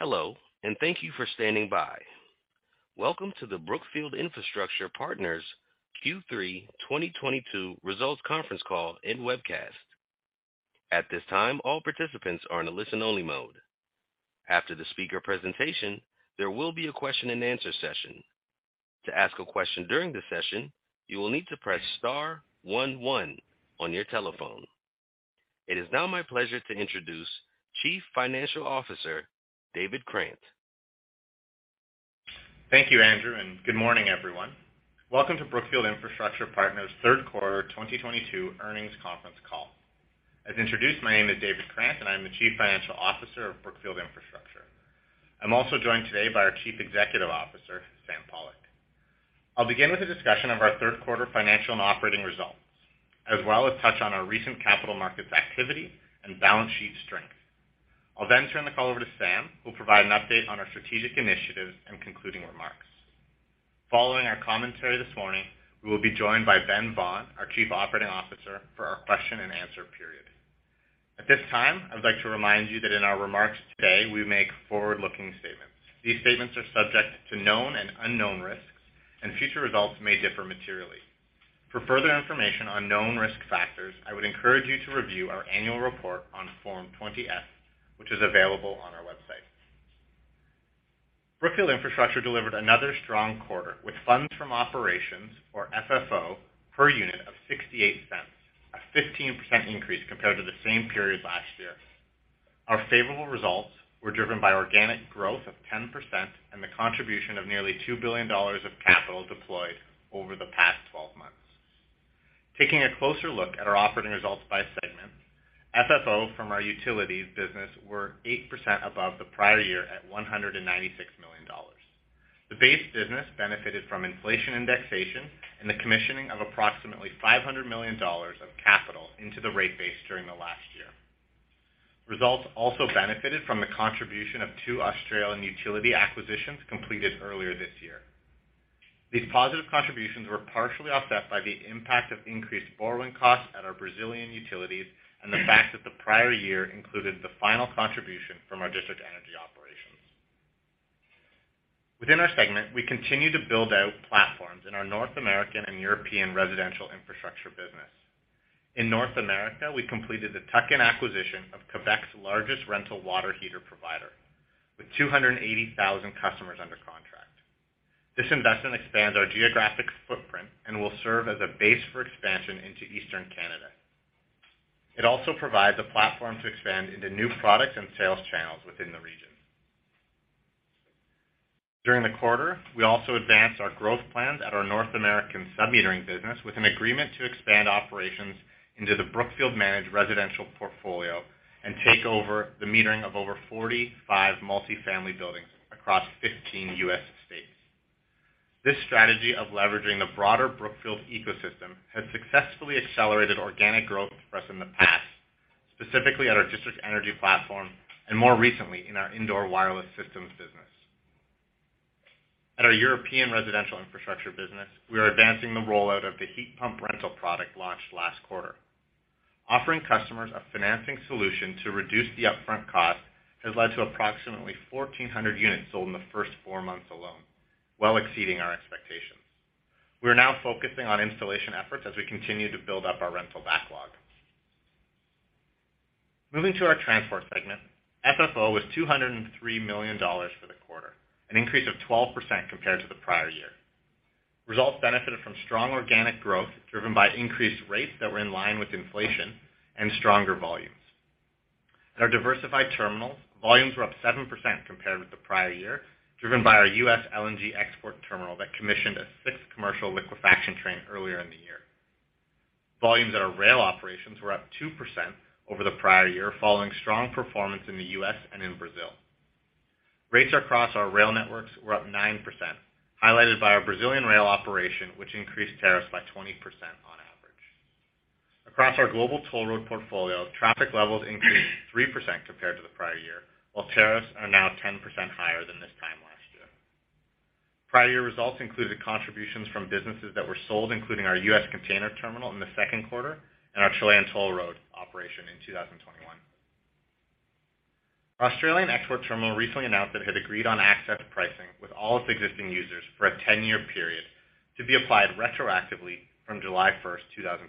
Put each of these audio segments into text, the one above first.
Hello, and thank you for standing by. Welcome to the Brookfield Infrastructure Partners Q3 2022 Results Conference Call and Webcast. At this time, all participants are in a listen-only mode. After the speaker presentation, there will be a question-and-answer session. To ask a question during the session, you will need to press star one one on your telephone. It is now my pleasure to introduce Chief Financial Officer, David Krant. Thank you, Andrew, and good morning, everyone. Welcome to Brookfield Infrastructure Partners third quarter 2022 earnings conference call. As introduced, my name is David Krant, and I am the Chief Financial Officer of Brookfield Infrastructure. I'm also joined today by our Chief Executive Officer, Sam Pollock. I'll begin with a discussion of our third quarter financial and operating results, as well as touch on our recent capital markets activity and balance sheet strength. I'll then turn the call over to Sam, who'll provide an update on our strategic initiatives and concluding remarks. Following our commentary this morning, we will be joined by Ben Vaughan, our Chief Operating Officer, for our question-and-answer period. At this time, I'd like to remind you that in our remarks today, we make forward-looking statements. These statements are subject to known and unknown risks, and future results may differ materially. For further information on known risk factors, I would encourage you to review our annual report on Form 20-F, which is available on our website. Brookfield Infrastructure delivered another strong quarter with funds from operations, or FFO, per unit of $0.68, a 15% increase compared to the same period last year. Our favorable results were driven by organic growth of 10% and the contribution of nearly $2 billion of capital deployed over the past 12 months. Taking a closer look at our operating results by segment, FFO from our utilities business were 8% above the prior year at $196 million. The base business benefited from inflation indexation and the commissioning of approximately $500 million of capital into the rate base during the last year. Results also benefited from the contribution of two Australian utility acquisitions completed earlier this year. These positive contributions were partially offset by the impact of increased borrowing costs at our Brazilian utilities and the fact that the prior year included the final contribution from our district energy operations. Within our segment, we continue to build out platforms in our North American and European residential infrastructure business. In North America, we completed the tuck-in acquisition of Quebec's largest rental water heater provider with 280,000 customers under contract. This investment expands our geographic footprint and will serve as a base for expansion into Eastern Canada. It also provides a platform to expand into new products and sales channels within the region. During the quarter, we also advanced our growth plans at our North American sub-metering business with an agreement to expand operations into the Brookfield managed residential portfolio and take over the metering of over 45 multi-family buildings across 15 U.S. states. This strategy of leveraging the broader Brookfield ecosystem has successfully accelerated organic growth for us in the past, specifically at our district energy platform and more recently in our indoor wireless systems business. At our European residential infrastructure business, we are advancing the rollout of the heat pump rental product launched last quarter. Offering customers a financing solution to reduce the upfront cost has led to approximately 1,400 units sold in the first four months alone, well exceeding our expectations. We are now focusing on installation efforts as we continue to build up our rental backlog. Moving to our transport segment, FFO was $203 million for the quarter, an increase of 12% compared to the prior year. Results benefited from strong organic growth driven by increased rates that were in line with inflation and stronger volumes. At our diversified terminals, volumes were up 7% compared with the prior year, driven by our U.S. LNG export terminal that commissioned a 6th commercial liquefaction train earlier in the year. Volumes at our rail operations were up 2% over the prior year, following strong performance in the U.S. and in Brazil. Rates across our rail networks were up 9%, highlighted by our Brazilian rail operation, which increased tariffs by 20% on average. Across our global toll road portfolio, traffic levels increased 3% compared to the prior year, while tariffs are now 10% higher than this time last year. Prior year results included contributions from businesses that were sold, including our U.S. container terminal in the second quarter and our Chilean toll road operation in 2021. Our Australian export terminal recently announced that it had agreed on access pricing with all its existing users for a 10-year period to be applied retroactively from July 1, 2021.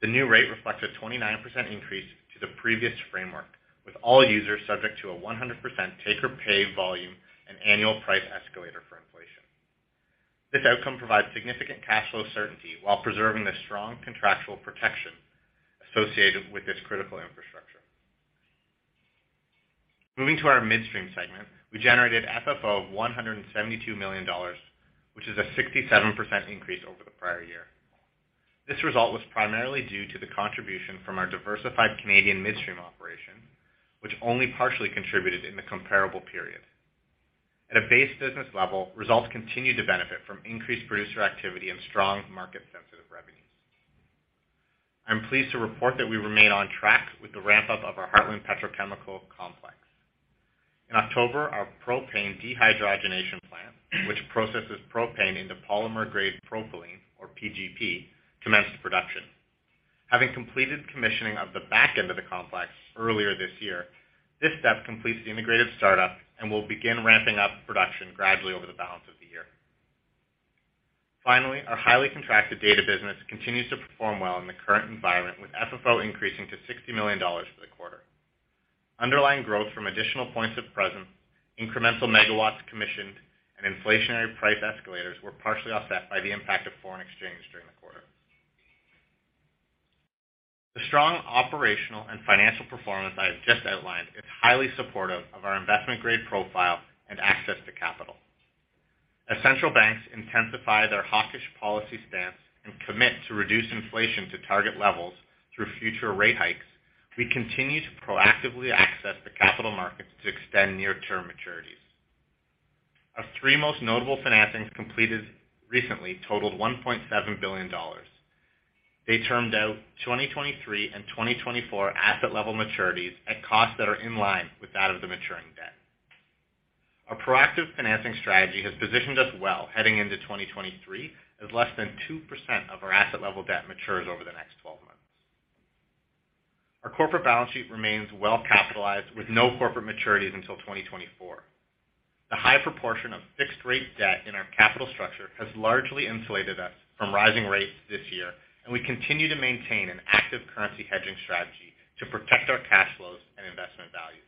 The new rate reflects a 29% increase to the previous framework, with all users subject to a 100% take-or-pay volume and annual price escalator for inflation. This outcome provides significant cash flow certainty while preserving the strong contractual protection associated with this critical infrastructure. Moving to our midstream segment, we generated FFO of $172 million, which is a 67% increase over the prior year. This result was primarily due to the contribution from our diversified Canadian midstream operation, which only partially contributed in the comparable period. At a base business level, results continued to benefit from increased producer activity and strong market-sensitive revenues. I'm pleased to report that we remain on track with the ramp-up of our Heartland Petrochemical Complex. In October, our propane dehydrogenation plant, which processes propane into polymer-grade propylene or PGP, commenced production. Having completed commissioning of the back end of the complex earlier this year, this step completes the integrated startup and will begin ramping up production gradually over the balance of the year. Finally, our highly contracted data business continues to perform well in the current environment, with FFO increasing to $60 million for the quarter. Underlying growth from additional points of presence, incremental megawatts commissioned, and inflationary price escalators were partially offset by the impact of foreign exchange during the quarter. The strong operational and financial performance I have just outlined is highly supportive of our investment-grade profile and access to capital. As central banks intensify their hawkish policy stance and commit to reduce inflation to target levels through future rate hikes, we continue to proactively access the capital markets to extend near-term maturities. Our three most notable financings completed recently totaled $1.7 billion. They termed out 2023 and 2024 asset level maturities at costs that are in line with that of the maturing debt. Our proactive financing strategy has positioned us well heading into 2023, as less than 2% of our asset level debt matures over the next 12 months. Our corporate balance sheet remains well-capitalized with no corporate maturities until 2024. The high proportion of fixed-rate debt in our capital structure has largely insulated us from rising rates this year, and we continue to maintain an active currency hedging strategy to protect our cash flows and investment value.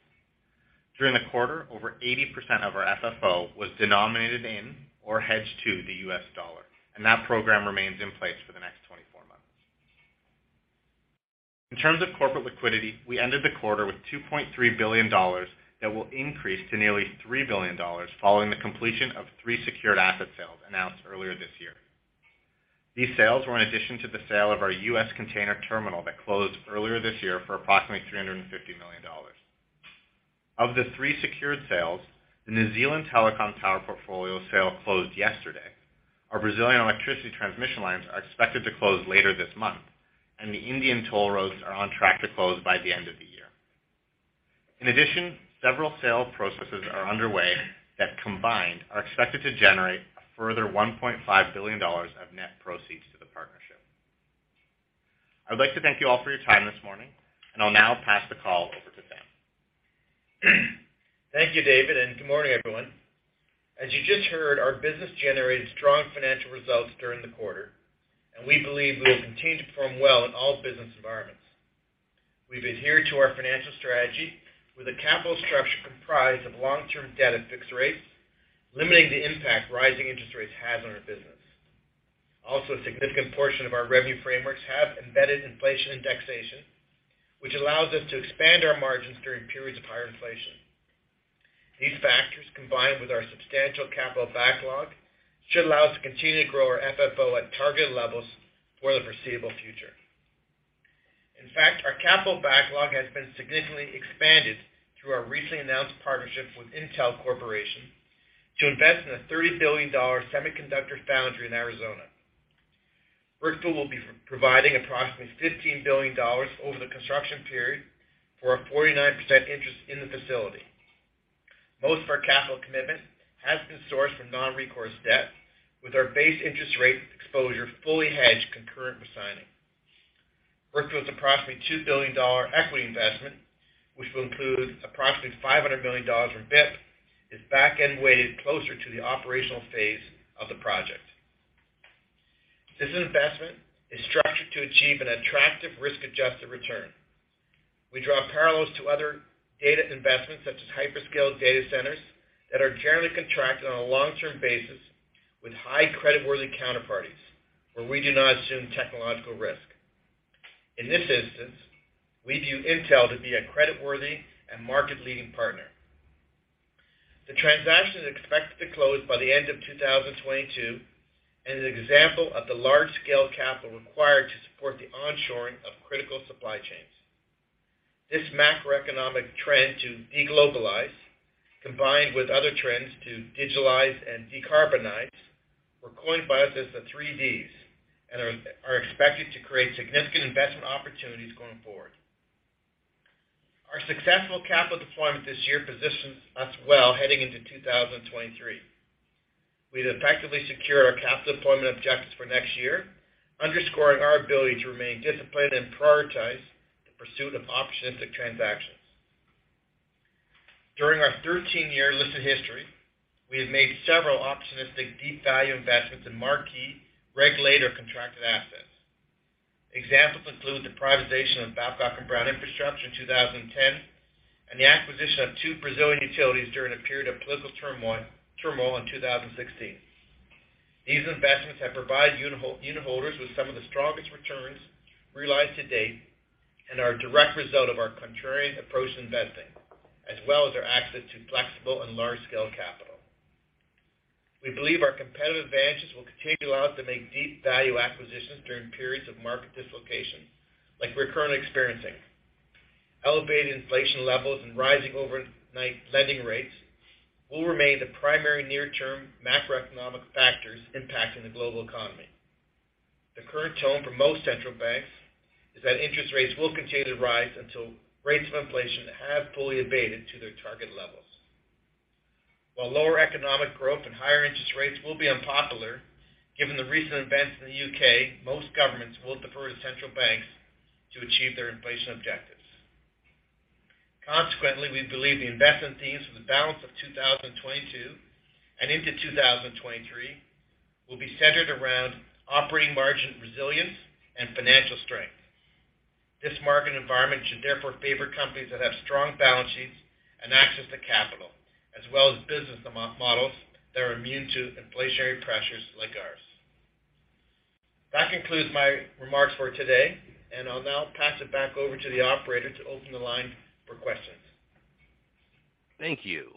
During the quarter, over 80% of our FFO was denominated in or hedged to the U.S. dollar, and that program remains in place for the next 24 months. In terms of corporate liquidity, we ended the quarter with $2.3 billion that will increase to nearly $3 billion following the completion of three secured asset sales announced earlier this year. These sales were in addition to the sale of our U.S. container terminal that closed earlier this year for approximately $350 million. Of the three secured sales, the New Zealand Telecom tower portfolio sale closed yesterday. Our Brazilian electricity transmission lines are expected to close later this month, and the Indian toll roads are on track to close by the end of the year. In addition, several sales processes are underway that combined are expected to generate a further $1.5 billion of net proceeds to the partnership. I would like to thank you all for your time this morning, and I'll now pass the call over to Sam Pollock. Thank you, David, and good morning, everyone. As you just heard, our business generated strong financial results during the quarter, and we believe we will continue to perform well in all business environments. We've adhered to our financial strategy with a capital structure comprised of long-term debt and fixed rates, limiting the impact rising interest rates have on our business. Also, a significant portion of our revenue frameworks have embedded inflation indexation, which allows us to expand our margins during periods of higher inflation. These factors, combined with our substantial capital backlog, should allow us to continue to grow our FFO at targeted levels for the foreseeable future. In fact, our capital backlog has been significantly expanded through our recently announced partnership with Intel Corporation to invest in a $30 billion semiconductor foundry in Arizona. Brookfield will be providing approximately $15 billion over the construction period for a 49% interest in the facility. Most of our capital commitment has been sourced from non-recourse debt, with our base interest rate exposure fully hedged concurrent with signing. Brookfield's approximately $2 billion equity investment, which will include approximately $500 million from BIP, is back-end weighted closer to the operational phase of the project. This investment is structured to achieve an attractive risk-adjusted return. We draw parallels to other data investments, such as hyperscale data centers, that are generally contracted on a long-term basis with high creditworthy counterparties, where we do not assume technological risk. In this instance, we view Intel to be a creditworthy and market-leading partner. The transaction is expected to close by the end of 2022 and is an example of the large-scale capital required to support the onshoring of critical supply chains. This macroeconomic trend to deglobalize, combined with other trends to digitalize and decarbonize, were coined by us as the Three Ds and are expected to create significant investment opportunities going forward. Our successful capital deployment this year positions us well heading into 2023. We've effectively secured our capital deployment objectives for next year, underscoring our ability to remain disciplined and prioritize the pursuit of opportunistic transactions. During our 13-year listed history, we have made several opportunistic deep value investments in marquee regulated contracted assets. Examples include the privatization of Babcock & Brown Infrastructure in 2010 and the acquisition of two Brazilian utilities during a period of political turmoil in 2016. These investments have provided unitholders with some of the strongest returns realized to date and are a direct result of our contrarian approach to investing, as well as our access to flexible and large-scale capital. We believe our competitive advantages will continue to allow us to make deep value acquisitions during periods of market dislocation like we're currently experiencing. Elevated inflation levels and rising overnight lending rates will remain the primary near-term macroeconomic factors impacting the global economy. The current tone for most central banks is that interest rates will continue to rise until rates of inflation have fully abated to their target levels. While lower economic growth and higher interest rates will be unpopular, given the recent events in the U.K., most governments will defer to central banks to achieve their inflation objectives. Consequently, we believe the investment themes for the balance of 2022 and into 2023 will be centered around operating margin resilience and financial strength. This market environment should therefore favor companies that have strong balance sheets and access to capital, as well as business models that are immune to inflationary pressures like ours. That concludes my remarks for today, and I'll now pass it back over to the operator to open the line for questions. Thank you.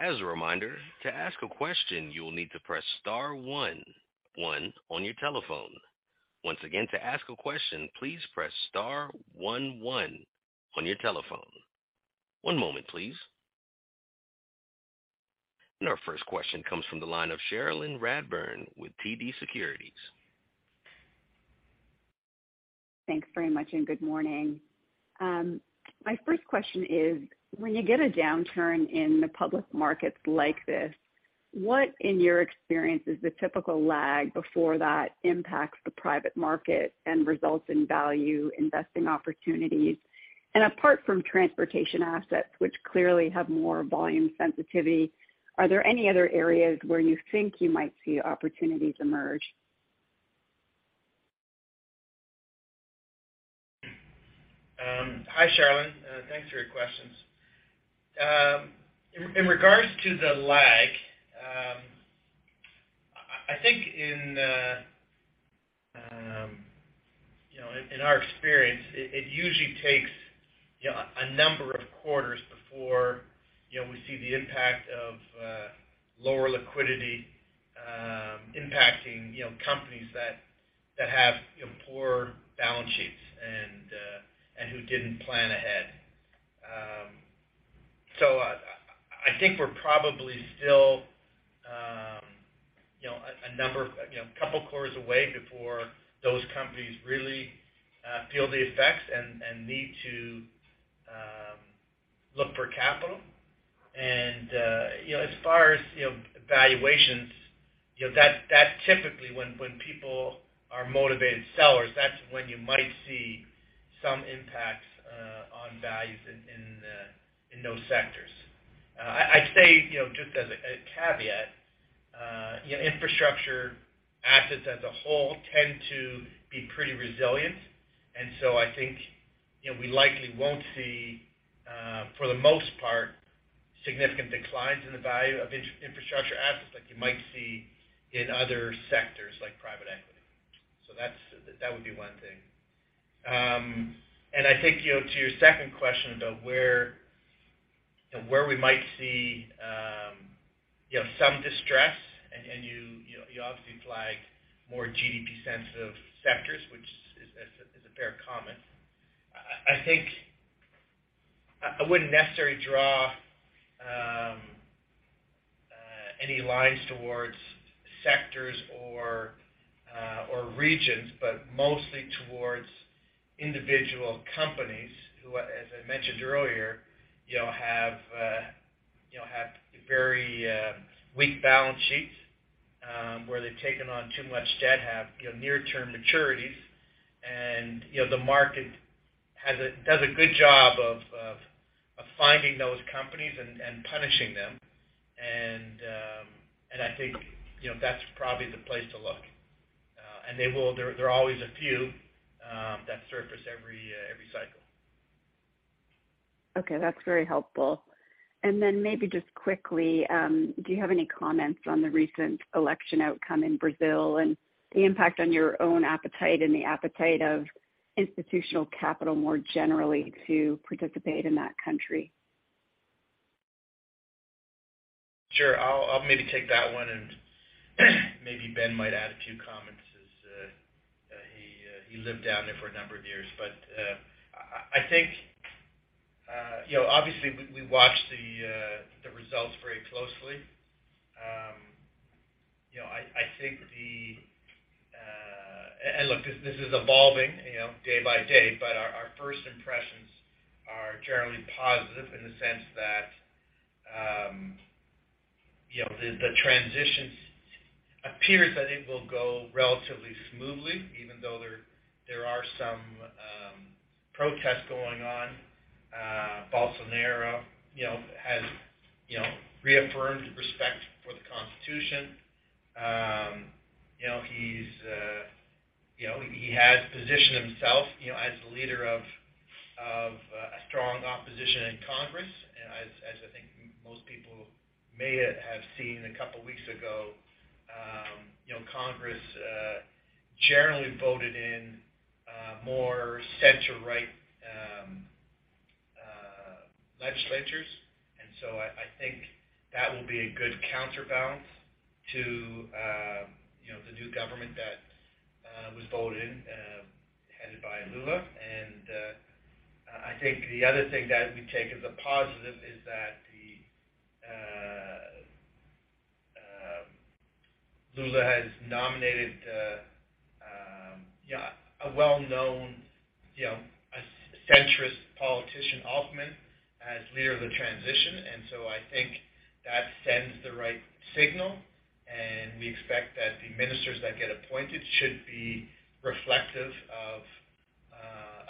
As a reminder, to ask a question, you will need to press star one one on your telephone. Once again, to ask a question, please press star one one on your telephone. One moment, please. Our first question comes from the line of Cherilyn Radbourne with TD Securities. Thanks very much, and good morning. My first question is, when you get a downturn in the public markets like this, what in your experience is the typical lag before that impacts the private market and results in value investing opportunities? Apart from transportation assets, which clearly have more volume sensitivity, are there any other areas where you think you might see opportunities emerge? Hi, Cherilyn. Thanks for your questions. In regards to the lag, I think in our experience, it usually takes a number of quarters before we see the impact of lower liquidity impacting companies that have poor balance sheets and who didn't plan ahead. I think we're probably still a couple quarters away before those companies really feel the effects and need to look for capital. As far as valuations, that's typically when people are motivated sellers, that's when you might see some impacts on values in those sectors. I'd say, you know, just as a caveat, you know, infrastructure assets as a whole tend to be pretty resilient. I think, you know, we likely won't see, for the most part, significant declines in the value of infrastructure assets like you might see in other sectors like private equity. That would be one thing. I think, you know, to your second question about where, you know, where we might see, you know, some distress and you obviously flag more GDP-sensitive sectors, which is a fair comment. I think I wouldn't necessarily draw any lines towards sectors or regions, but mostly towards individual companies who, as I mentioned earlier, you know, have very weak balance sheets, where they've taken on too much debt, have you know near-term maturities. You know, the market does a good job of finding those companies and punishing them. I think you know that's probably the place to look. There are always a few that surface every cycle. Okay. That's very helpful. Maybe just quickly, do you have any comments on the recent election outcome in Brazil and the impact on your own appetite and the appetite of institutional capital more generally to participate in that country? Sure. I'll maybe take that one, and maybe Ben might add a few comments as he lived down there for a number of years. I think you know, obviously we watched the results very closely. You know, I think. Look, this is evolving you know, day by day, but our first impressions are generally positive in the sense that you know, the transition appears that it will go relatively smoothly, even though there are some protests going on. Bolsonaro you know, has you know, reaffirmed respect for the Constitution. You know, he's you know, he has positioned himself you know, as the leader of a strong opposition in Congress. As I think most people may have seen a couple weeks ago, you know, Congress generally voted in more center-right legislatures. I think that will be a good counterbalance to you know, the new government that was voted in headed by Lula. I think the other thing that we take as a positive is that the Lula has nominated a well-known you know, a centrist politician, Geraldo Alckmin, as leader of the transition. I think that sends the right signal, and we expect that the ministers that get appointed should be reflective of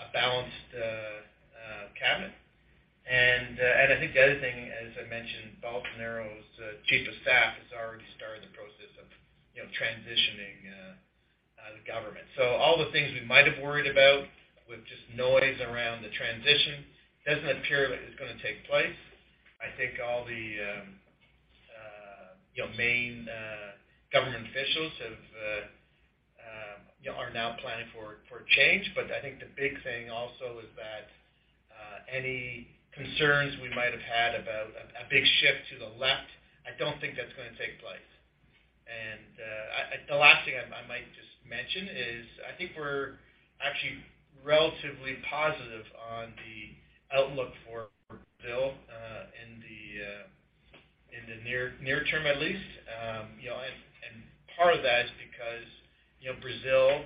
a balanced cabinet. I think the other thing, as I mentioned, Bolsonaro's chief of staff has already started the process of you know, transitioning the government. All the things we might have worried about with just noise around the transition doesn't appear like it's gonna take place. I think all the you know main you know are now planning for change. I think the big thing also is that any concerns we might have had about a big shift to the left, I don't think that's gonna take place. The last thing I might just mention is I think we're actually relatively positive on the outlook for Brazil in the near term at least. You know, and part of that is because, you know, Brazil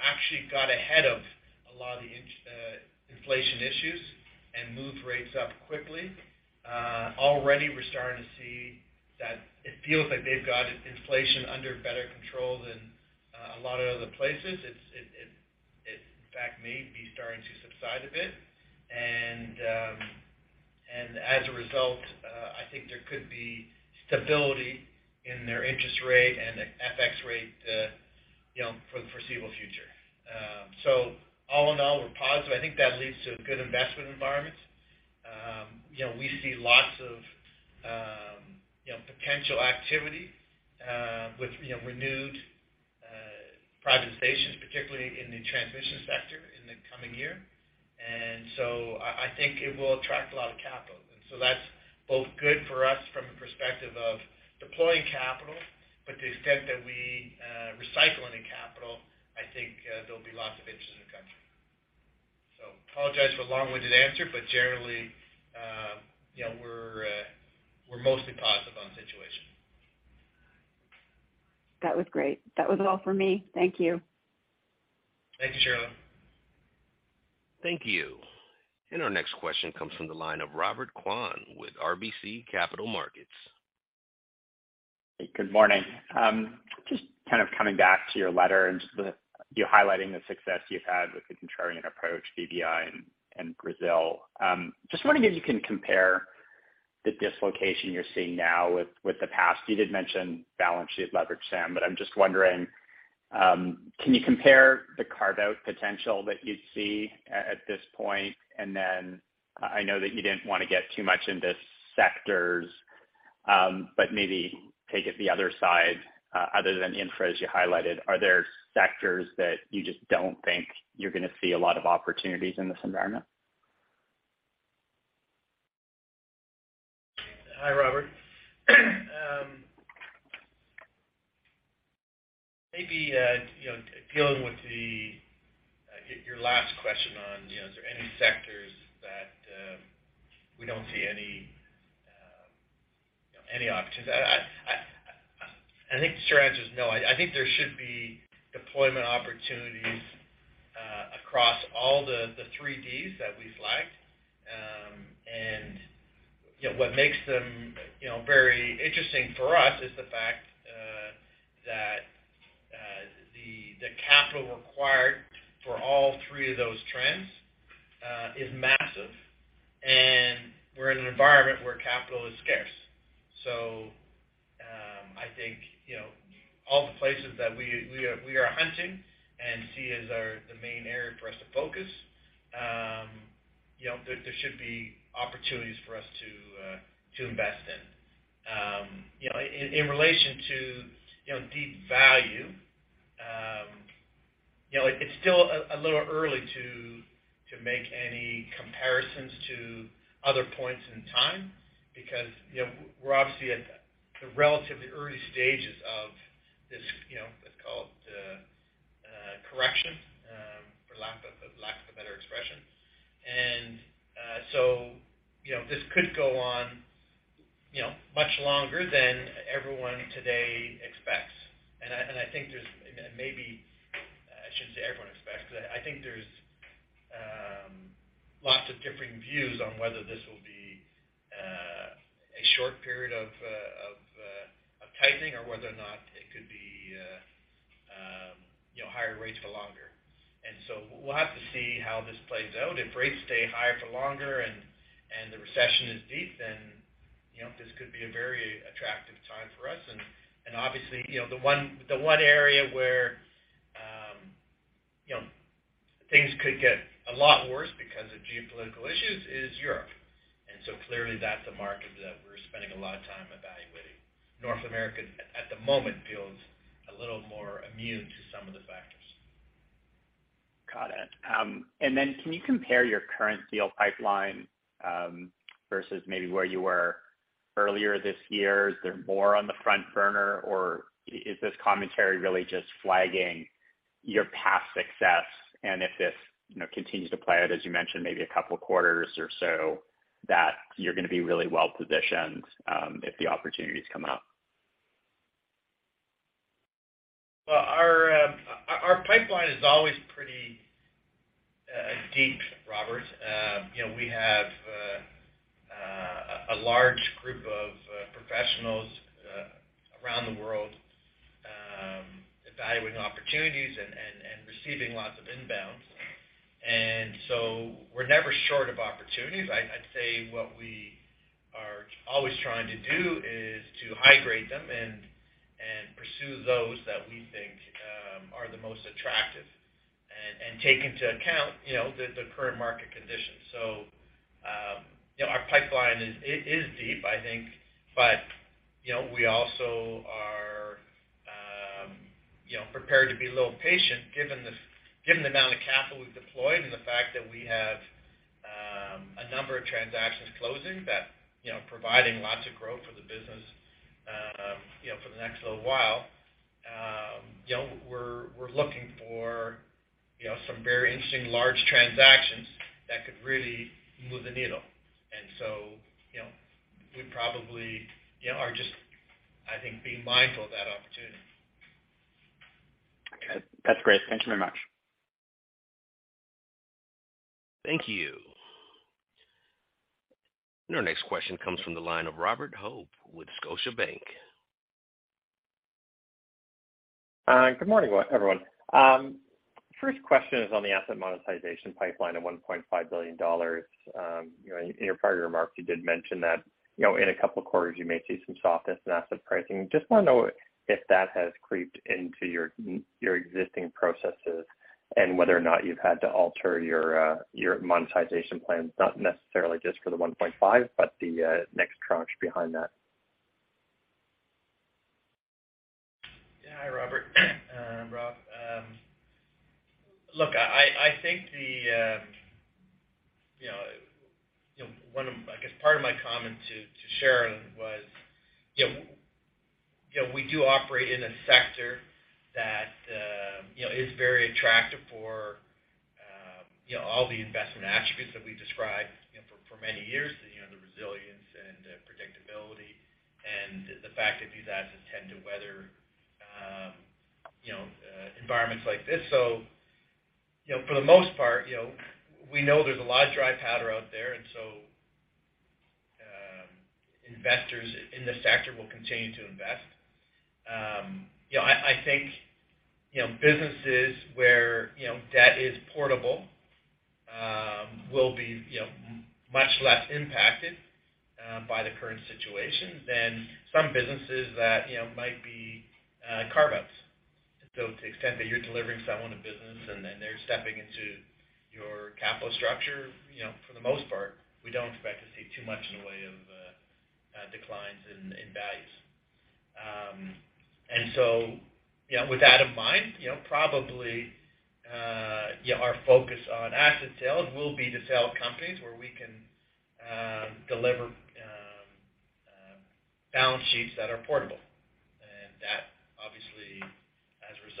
actually got ahead of a lot of the inflation issues and moved rates up quickly. Already we're starting to see that it feels like they've got inflation under better control than a lot of other places. It, in fact, may be starting to subside a bit. As a result, I think there could be stability in their interest rate and the FX rate, you know, for the foreseeable future. All in all, we're positive. I think that leads to a good investment environment. You know, we see lots of you know, potential activity with you know, renewed privatizations, particularly in the transmission sector in the coming year. I think it will attract a lot of capital. That's both good for us from the perspective of deploying capital, but the extent that we recycling the capital, I think there'll be lots of interest in the country. Apologize for a long-winded answer, but generally, you know, we're mostly positive on the situation. That was great. That was all for me. Thank you. Thank you, Cherilyn. Thank you. Our next question comes from the line of Robert Kwan with RBC Capital Markets. Good morning. Just kind of coming back to your letter and just you highlighting the success you've had with the contrarian approach, BBI and Brazil. Just wondering if you can compare the dislocation you're seeing now with the past. You did mention balance sheet leverage, Sam, but I'm just wondering, can you compare the carve-out potential that you'd see at this point? Then I know that you didn't want to get too much into sectors, but maybe take it the other side, other than infra, as you highlighted, are there sectors that you just don't think you're gonna see a lot of opportunities in this environment? Hi, Robert. Maybe, you know, dealing with your last question on, you know, is there any sectors that we don't see any, you know, any opportunities? I think the short answer is no. I think there should be deployment opportunities across all the Three Ds that we flagged. You know, what makes them, you know, very interesting for us is the fact that the capital required for all three of those trends is massive, and we're in an environment where capital is scarce. I think, you know, all the places that we are hunting and see as our, the main area for us to focus, you know, there should be opportunities for us to invest in. In relation to, you know, deep value, you know, it's still a little early to make any comparisons to other points in time because, you know, we're obviously at the relatively early stages of this, you know, let's call it, correction, for lack of a better expression. You know, this could go on, you know, much longer than everyone today expects. I think there's maybe, I shouldn't say everyone expects, but I think there's lots of differing views on whether this will be a short period of tightening or whether or not it could be, you know, higher rates for longer. We'll have to see how this plays out. If rates stay higher for longer and the recession is deep, then, you know, this could be a very attractive time for us. Obviously, you know, the one area where, you know, things could get a lot worse because of geopolitical issues is Europe. Clearly that's a market that we're spending a lot of time evaluating. North America at the moment feels a little more immune to some of the factors. Got it. Can you compare your current deal pipeline versus maybe where you were earlier this year? Is there more on the front burner, or is this commentary really just flagging? Your past success, and if this, you know, continues to play out, as you mentioned, maybe a couple of quarters or so, that you're gonna be really well positioned, if the opportunities come up. Well, our pipeline is always pretty deep, Robert. You know, we have a large group of professionals around the world evaluating opportunities and receiving lots of inbounds. We're never short of opportunities. I'd say what we are always trying to do is to hydrate them and pursue those that we think are the most attractive and take into account, you know, the current market conditions. You know, our pipeline is deep, I think, but you know, we also are prepared to be a little patient given the amount of capital we've deployed and the fact that we have a number of transactions closing that, you know, providing lots of growth for the business, you know, for the next little while. You know, we're looking for, you know, some very interesting large transactions that could really move the needle. You know, we probably, you know, are just, I think, being mindful of that opportunity. Okay. That's great. Thank you very much. Thank you. Our next question comes from the line of Robert Hope with Scotiabank. Good morning, everyone. First question is on the asset monetization pipeline of $1.5 billion. You know, in your prior remarks, you did mention that, you know, in a couple of quarters, you may see some softness in asset pricing. Just want to know if that has crept into your existing processes and whether or not you've had to alter your monetization plans, not necessarily just for the $1.5, but the next tranche behind that. Hi, Robert. Rob. Look, I think part of my comment to Cherilyn was, you know, we do operate in a sector that, you know, is very attractive for, you know, all the investment attributes that we described, you know, for many years, you know, the resilience and predictability and the fact that these assets tend to weather, you know, environments like this. You know, for the most part, you know, we know there's a lot of dry powder out there, and so investors in this sector will continue to invest. I think businesses where debt is portable will be much less impacted by the current situation than some businesses that might be carve-outs. To the extent that you're delivering someone a business and then they're stepping into your capital structure, for the most part, we don't expect to see too much in the way of declines in values. With that in mind, probably, yeah, our focus on asset sales will be to sell companies where we can deliver balance sheets that are portable. That obviously,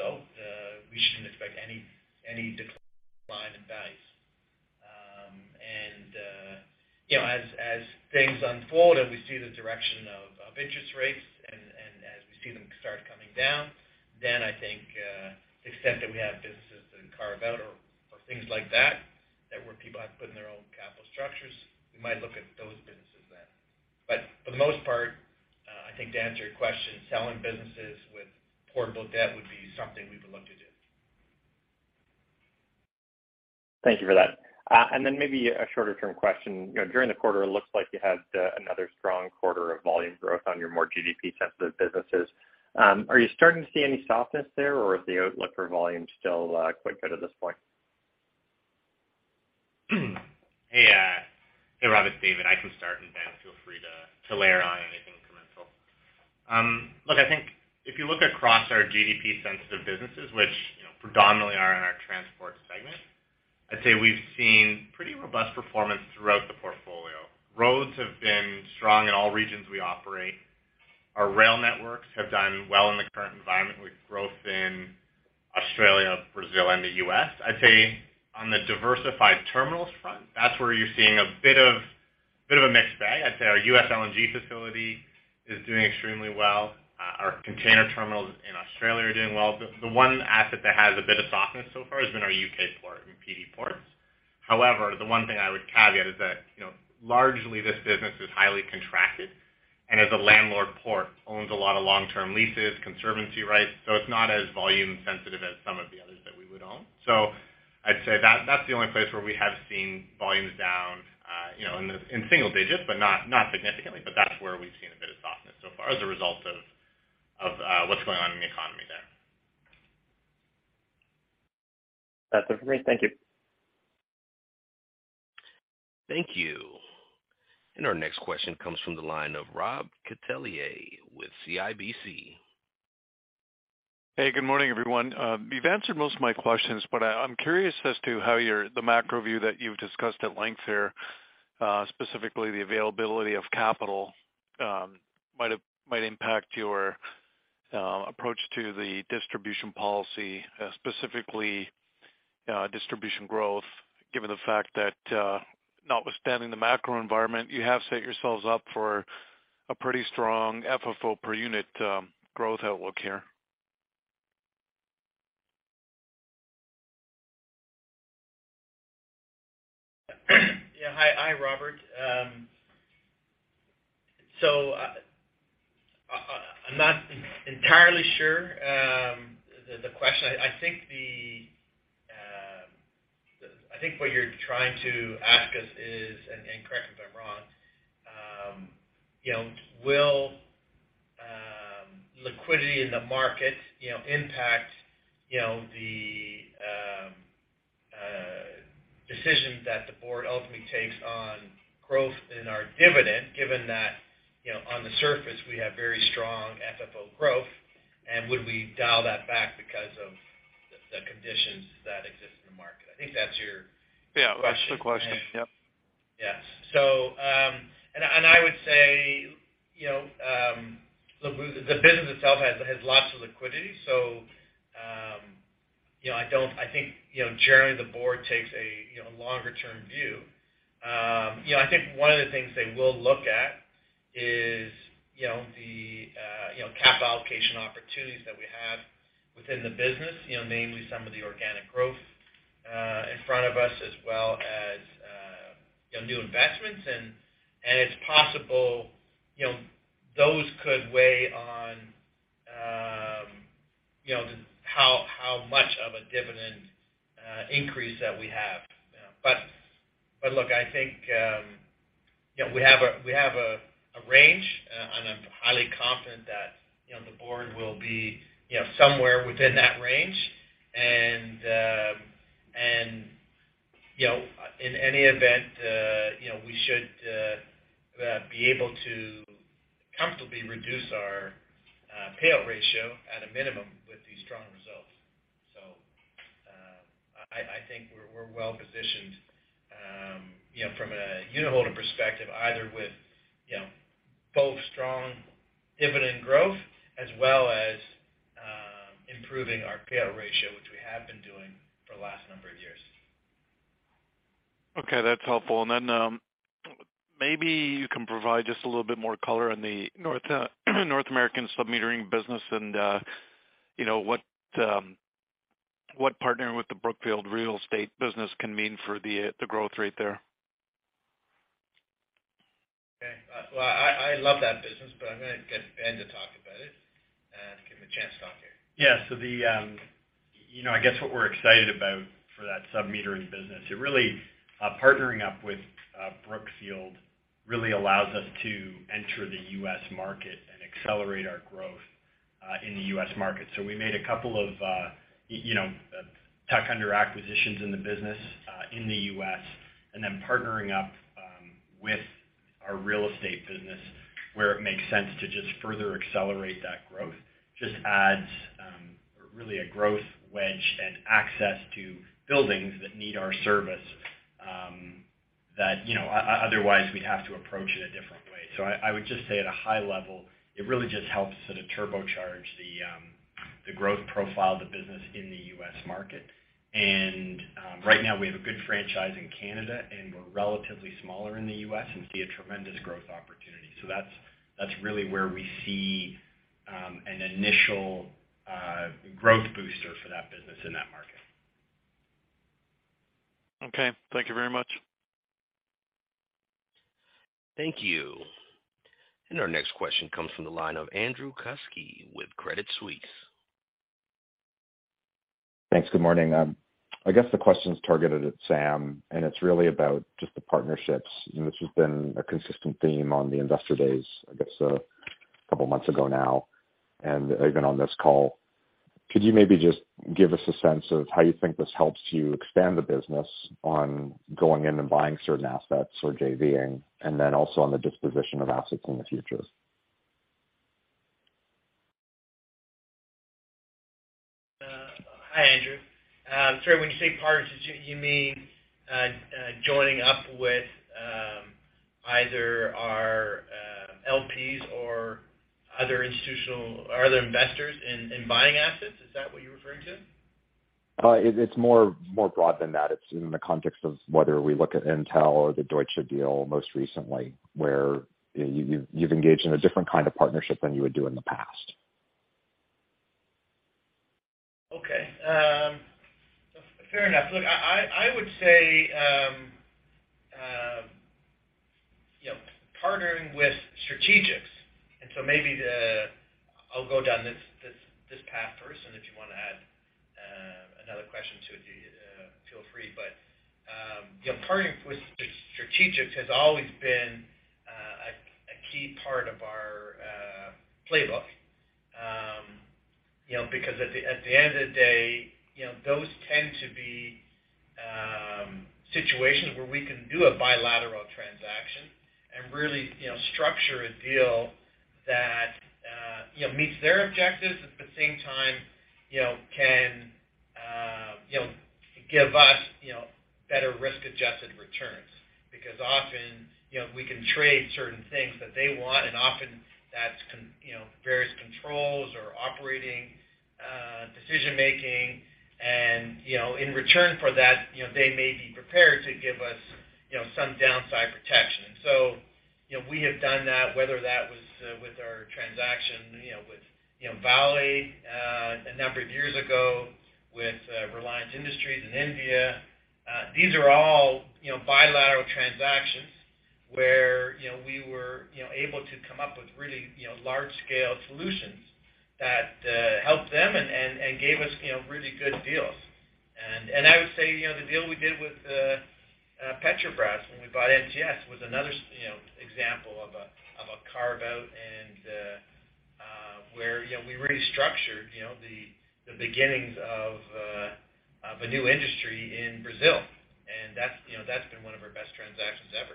as a result, we shouldn't expect any decline in values. You know, as things unfold and we see the direction of interest rates and as we see them start coming down, then I think the extent that we have businesses to carve out or things like that where people have to put in their own capital structures, we might look at those businesses then. For the most part, I think to answer your question, selling businesses with portable debt would be something we would look to do. Thank you for that. Maybe a shorter term question. You know, during the quarter, it looks like you had another strong quarter of volume growth on your more GDP sensitive businesses. Are you starting to see any softness there, or is the outlook for volume still quite good at this point? Hey, hey, Robert, it's David. I can start, and Ben feel free to to layer on anything incremental. Look, I think if you look across our GDP sensitive businesses, which, you know, predominantly are in our transport segment, I'd say we've seen pretty robust performance throughout the portfolio. Roads have been strong in all regions we operate. Our rail networks have done well in the current environment with growth in Australia, Brazil, and the U.S. I'd say on the diversified terminals front, that's where you're seeing a bit of a mixed bag. I'd say our U.S. LNG facility is doing extremely well. Our container terminals in Australia are doing well. The one asset that has a bit of softness so far has been our U.K. port in PD Ports. However, the one thing I would caveat is that, you know, largely this business is highly contracted, and as a landlord port, owns a lot of long-term leases, conservancy rights. So it's not as volume sensitive as some of the others that we would own. So I'd say that's the only place where we have seen volumes down, you know, in single digits, but not significantly. But that's where we've seen a bit of softness so far as a result of what's going on in the economy there. That's it for me. Thank you. Thank you. Our next question comes from the line of Robert Catellier with CIBC. Hey, good morning, everyone. You've answered most of my questions, but I'm curious as to how the macro view that you've discussed at length here, specifically, the availability of capital, might impact your approach to the distribution policy, specifically, distribution growth, given the fact that, notwithstanding the macro environment, you have set yourselves up for a pretty strong FFO per unit growth outlook here. Yeah. Hi, Robert. I'm not entirely sure the question. I think what you're trying to ask us is, and correct me if I'm wrong, you know, will liquidity in the market, you know, impact, you know, the decision that the board ultimately takes on growth in our dividend, given that, you know, on the surface, we have very strong FFO growth, and would we dial that back because of the conditions that exist in the market? I think that's your- Yeah, that's the question. Yep. Yes. I would say, you know, look, the business itself has lots of liquidity, so, you know, I think, you know, generally the board takes a longer term view. I think one of the things they will look at is, you know, the capital allocation opportunities that we have within the business, you know, namely some of the organic growth in front of us, as well as, you know, new investments. It's possible, you know, those could weigh on, you know, how much of a dividend increase that we have. Look, I think, you know, we have a range. I'm highly confident that, you know, the board will be, you know, somewhere within that range. You know, in any event, you know, we should be able to comfortably reduce our payout ratio at a minimum with these strong results. I think we're well-positioned, you know, from a unitholder perspective, either with, you know, both strong dividend growth as well as, improving our payout ratio, which we have been doing for the last number of years. Okay. That's helpful. Maybe you can provide just a little bit more color on the North American submetering business and, you know, what partnering with the Brookfield Real Estate business can mean for the growth rate there. Okay. Well, I love that business, but I'm gonna get Ben to talk about it and give him a chance to talk here. Yeah. The, you know, I guess what we're excited about for that submetering business, it really, partnering up with Brookfield really allows us to enter the U.S. market and accelerate our growth in the U.S. market. We made a couple of, you know, tuck-in acquisitions in the business in the U.S., and then partnering up with our real estate business where it makes sense to just further accelerate that growth just adds really a growth wedge and access to buildings that need our service, that, you know, otherwise we'd have to approach it a different way. I would just say at a high level, it really just helps to turbocharge the growth profile of the business in the U.S. market. Right now we have a good franchise in Canada, and we're relatively smaller in the U.S. and see a tremendous growth opportunity. That's really where we see an initial growth booster for that business in that market. Okay. Thank you very much. Thank you. Our next question comes from the line of Andrew Kuske with Credit Suisse. Thanks. Good morning. I guess the question is targeted at Sam, and it's really about just the partnerships. You know, this has been a consistent theme on the investor days, I guess, a couple months ago now and even on this call. Could you maybe just give us a sense of how you think this helps you expand the business on going in and buying certain assets or JVing, and then also on the disposition of assets in the future? Hi, Andrew. Sorry, when you say partners, do you mean joining up with either our LPs or other investors in buying assets? Is that what you're referring to? It's more broad than that. It's in the context of whether we look at Intel or the Deutsche deal most recently, where you've engaged in a different kind of partnership than you would do in the past. Okay. Fair enough. Look, I would say, you know, partnering with strategics, and so maybe I'll go down this path first, and if you wanna add another question to it, feel free. Yeah, partnering with strategics has always been a key part of our playbook. You know, because at the end of the day, you know, those tend to be situations where we can do a bilateral transaction and really, you know, structure a deal that you know, meets their objectives. At the same time, you know, give us you know, better risk-adjusted returns. Often, you know, we can trade certain things that they want, and often that's, you know, various controls or operating decision-making. You know, in return for that, you know, they may be prepared to give us, you know, some downside protection. You know, we have done that, whether that was with our transaction, you know, with Vale a number of years ago, with Reliance Industries in India. These are all, you know, bilateral transactions where, you know, we were, you know, able to come up with really, you know, large scale solutions that helped them and gave us, you know, really good deals. I would say, you know, the deal we did with Petrobras when we bought NTS was another example of a carve-out and where, you know, we restructured the beginnings of a new industry in Brazil. That's, you know, that's been one of our best transactions ever.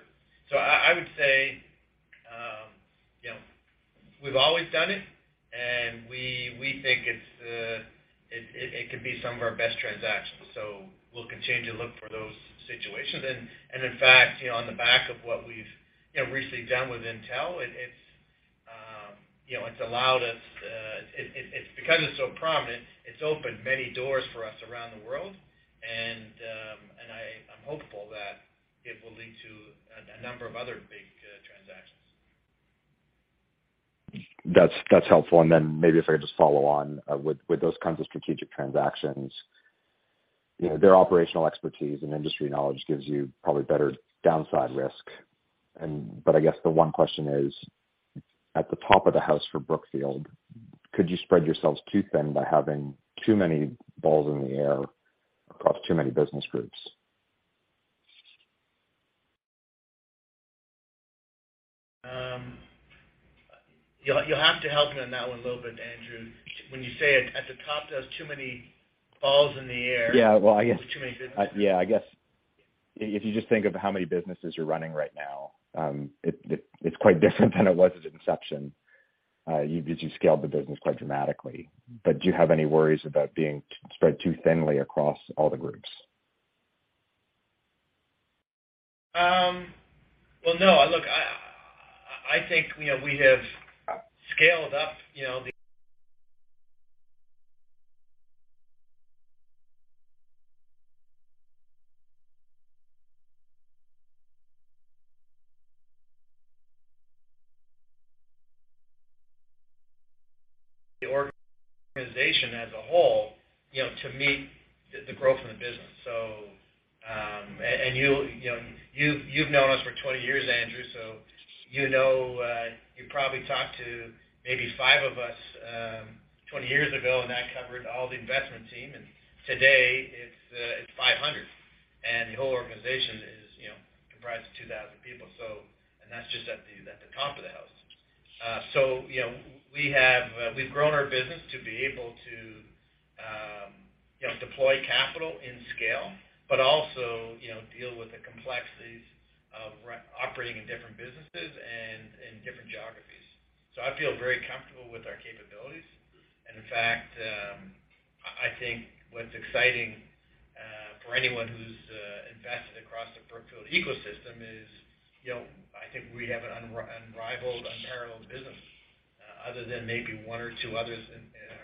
I would say, you know, we've always done it, and we think it's it could be some of our best transactions. We'll continue to look for those situations. In fact, you know, on the back of what we've, you know, recently done with Intel, it's allowed us. It's because it's so prominent, it's opened many doors for us around the world. I'm hopeful that it will lead to a number of other big transactions. That's helpful. Maybe if I could just follow on with those kinds of strategic transactions. You know, their operational expertise and industry knowledge gives you probably better downside risk. I guess the one question is, at the top of the house for Brookfield, could you spread yourselves too thin by having too many balls in the air across too many business groups? You'll have to help me on that one a little bit, Andrew. When you say at the top, there's too many balls in the air. Yeah. Well, I guess. Too many businesses. Yeah, I guess if you just think of how many businesses you're running right now, it's quite different than it was at inception because you scaled the business quite dramatically. Do you have any worries about being spread too thinly across all the groups? Well, no. Look, I think you know, we have scaled up the organization as a whole to meet the growth in the business. You know, you've known us for 20 years, Andrew, so you know, you probably talked to maybe five of us 20 years ago, and that covered all the investment team. Today it's 500, and the whole organization is comprised of 2,000 people. That's just at the top of the house. You know, we've grown our business to be able to deploy capital in scale, but also deal with the complexities of operating in different businesses and in different geographies. I feel very comfortable with our capabilities. In fact, I think what's exciting for anyone who's invested across the Brookfield ecosystem is, you know, I think we have an unrivaled, unparalleled business other than maybe one or two others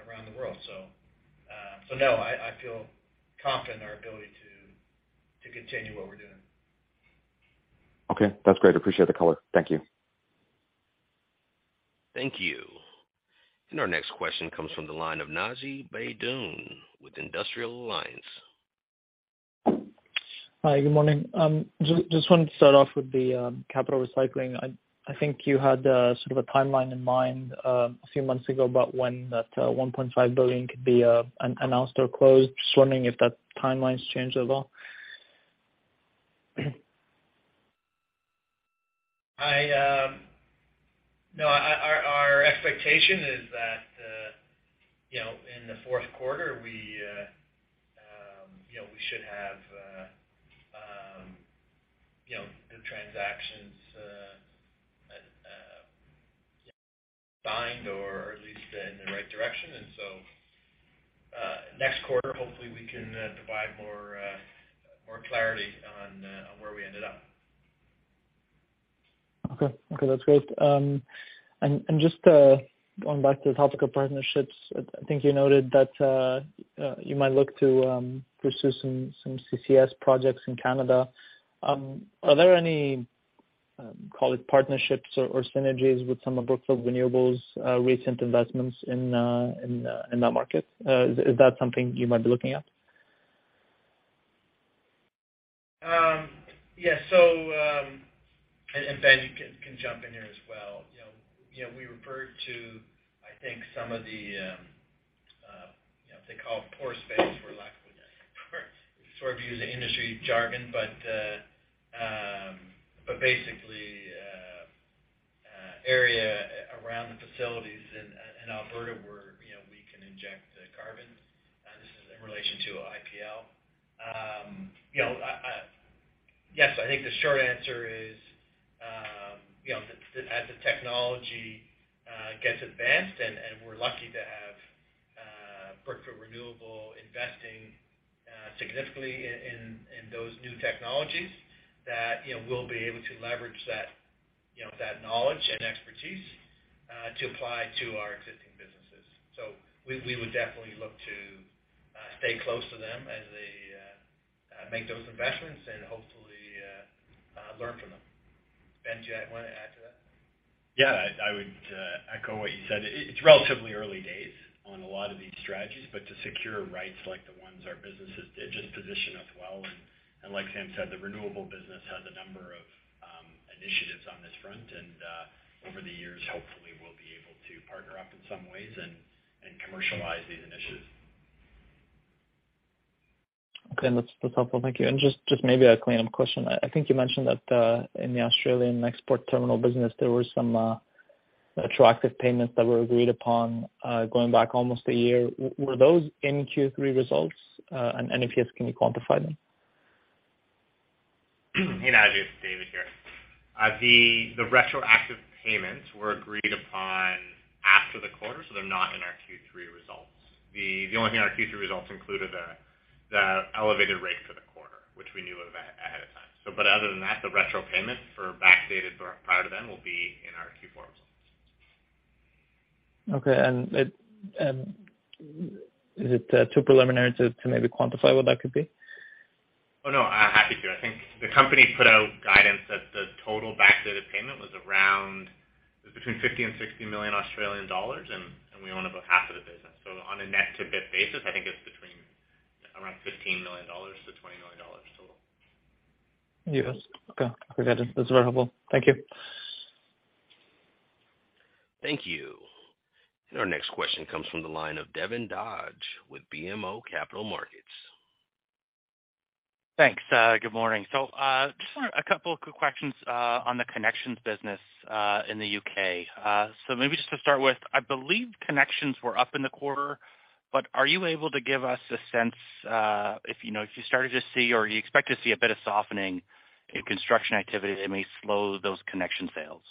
around the world. No, I feel confident in our ability to continue what we're doing. Okay. That's great. Appreciate the color. Thank you. Thank you. Our next question comes from the line of Naji Baydoun with Industrial Alliance. Hi, good morning. Just wanted to start off with the capital recycling. I think you had a sort of a timeline in mind a few months ago about when that $1.5 billion could be announced or closed. Just wondering if that timeline's changed at all. No, our expectation is that, you know, in the fourth quarter, you know, we should have, you know, the transactions signed or at least in the right direction. Next quarter, hopefully, we can provide more clarity on where we ended up. Okay. That's great. Just going back to the topic of partnerships, I think you noted that you might look to pursue some CCS projects in Canada. Are there any, call it partnerships or synergies with some of Brookfield Renewables' recent investments in that market? Is that something you might be looking at? Yeah. Ben, you can jump in here as well. You know, we referred to, I think, some of the, you know, they call it pore space where we lack units. Sort of use the industry jargon. Basically, area around the facilities in Alberta where, you know, we can inject the carbon. This is in relation to IPL. You know, Yes, I think the short answer is you know, as the technology gets advanced and we're lucky to have Brookfield Renewable investing significantly in those new technologies, you know, we'll be able to leverage that knowledge and expertise to apply to our existing businesses. We would definitely look to stay close to them as they make those investments and hopefully learn from them. Ben, do you wanna add to that? Yeah. I would echo what you said. It's relatively early days on a lot of these strategies. To secure rights like the ones our businesses did just position us well. Like Sam said, the renewable business has a number of initiatives on this front. Over the years, hopefully we'll be able to partner up in some ways and commercialize these initiatives. Okay. That's helpful. Thank you. Just maybe a cleanup question. I think you mentioned that in the Australian export terminal business, there were some retroactive payments that were agreed upon, going back almost a year. Were those in Q3 results? And if yes, can you quantify them? Hey, Naji. It's David here. The retroactive payments were agreed upon after the quarter, so they're not in our Q3 results. The only thing our Q3 results included the elevated rate for the quarter, which we knew of ahead of time. But other than that, the retro payment for backdated or prior to then will be in our Q4 results. Okay. Is it too preliminary to maybe quantify what that could be? Happy to. I think the company put out guidance that the total backdated payment was around between 50 million-60 million Australian dollars, and we own about half of the business. On a net to BIP basis, I think it's between around $15 million-$20 million total. Yes. Okay. Copy that. That's very helpful. Thank you. Thank you. Our next question comes from the line of Devin Dodge with BMO Capital Markets. Thanks. Good morning. Just wanna a couple of quick questions on the connections business in the U.K.. Maybe just to start with, I believe connections were up in the quarter, but are you able to give us a sense if you know if you started to see or you expect to see a bit of softening in construction activity that may slow those connection sales?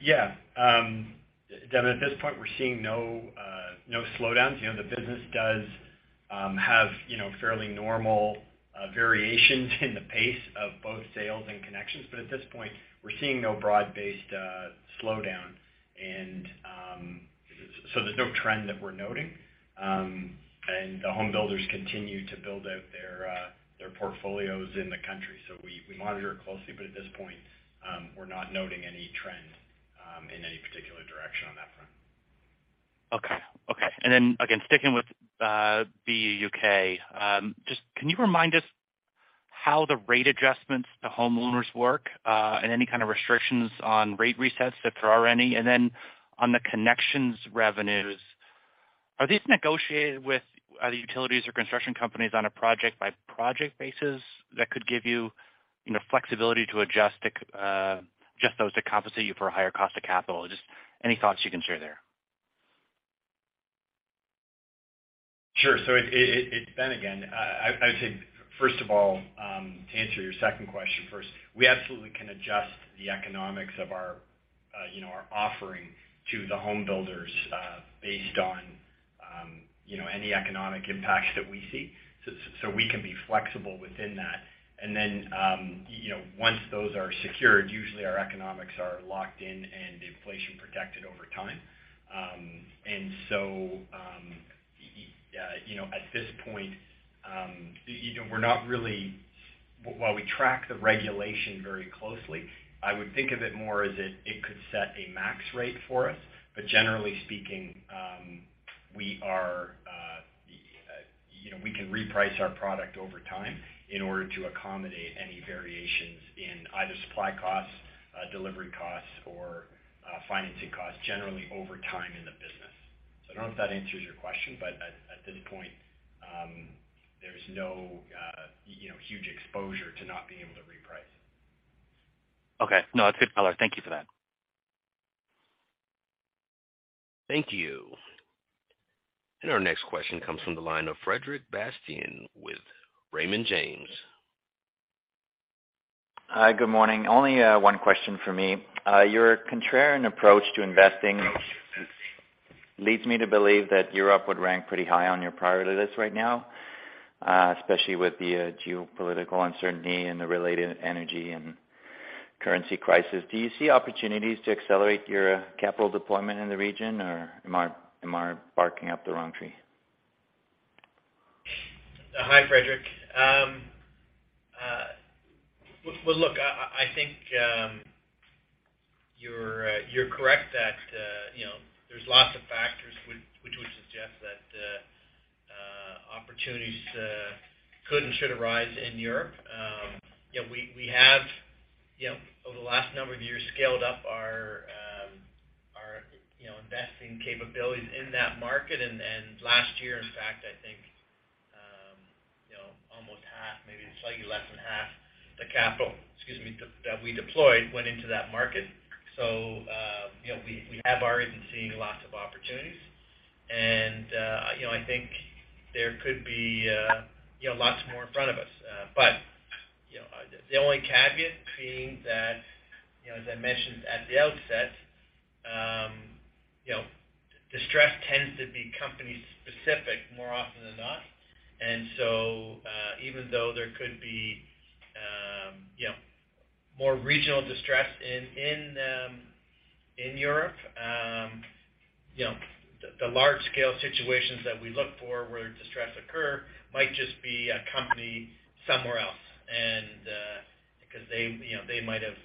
Yeah. Devin, at this point, we're seeing no slowdowns. You know, the business does have, you know, fairly normal variations in the pace of both sales and connections. At this point, we're seeing no broad-based slowdown. There's no trend that we're noting. The home builders continue to build out their portfolios in the country. We monitor it closely, but at this point, we're not noting any trends in any particular direction on that front. Okay. Again, sticking with the U.K., just can you remind us how the rate adjustments to homeowners work, and any kind of restrictions on rate resets, if there are any? On the connections revenues, are these negotiated with the utilities or construction companies on a project-by-project basis that could give you know, flexibility to adjust those to compensate you for a higher cost of capital? Just any thoughts you can share there. Sure. Ben again. I would say, first of all, to answer your second question first, we absolutely can adjust the economics of our, you know, our offering to the home builders, based on, you know, any economic impacts that we see. We can be flexible within that. You know, once those are secured, usually our economics are locked in and inflation protected over time. While we track the regulation very closely, I would think of it more as it could set a max rate for us. Generally speaking, we are, you know, we can reprice our product over time in order to accommodate any variations in either supply costs, delivery costs, or financing costs generally over time in the business. I don't know if that answers your question, but at this point, there's no, you know, huge exposure to not being able to reprice. Okay. No, that's good color. Thank you for that. Thank you. Our next question comes from the line of Frederic Bastien with Raymond James. Hi. Good morning. Only, one question for me. Your contrarian approach to investing leads me to believe that Europe would rank pretty high on your priority list right now, especially with the geopolitical uncertainty and the related energy and currency crisis. Do you see opportunities to accelerate your capital deployment in the region, or am I barking up the wrong tree? Hi, Frederic. Well, look, I think you're correct that you know there's lots of factors which would suggest that opportunities could and should arise in Europe. You know, we have you know over the last number of years scaled up our investing capabilities in that market. Last year, in fact, I think you know almost half, maybe slightly less than half the capital, excuse me, that we deployed went into that market. You know, we have already been seeing lots of opportunities. You know, I think there could be you know lots more in front of us. You know, the only caveat being that, you know, as I mentioned at the outset, you know, distress tends to be company specific more often than not. Even though there could be, you know, more regional distress in Europe, you know, the large scale situations that we look for where distress occur might just be a company somewhere else, and because they, you know, they might have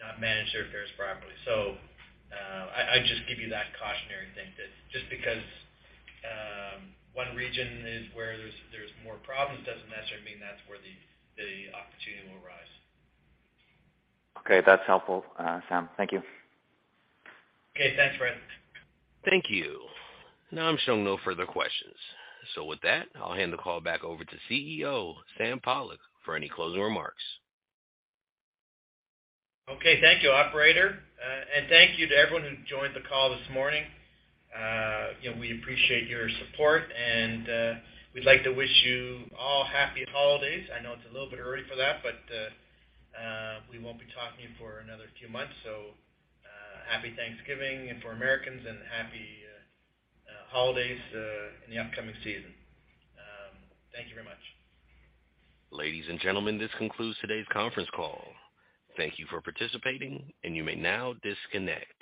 not managed their affairs properly. I just give you that cautionary thing that just because one region is where there's more problems doesn't necessarily mean that's where the opportunity will arise. Okay. That's helpful, Sam. Thank you. Okay. Thanks, Fred. Thank you. Now I'm showing no further questions. With that, I'll hand the call back over to CEO Sam Pollock for any closing remarks. Okay. Thank you, operator. And thank you to everyone who joined the call this morning. You know, we appreciate your support, and we'd like to wish you all happy holidays. I know it's a little bit early for that, but we won't be talking to you for another few months. Happy Thanksgiving and for Americans, and happy holidays in the upcoming season. Thank you very much. Ladies and gentlemen, this concludes today's conference call. Thank you for participating, and you may now disconnect.